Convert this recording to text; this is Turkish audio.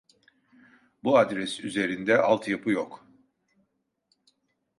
Bu adres üzerinde alt yapı yok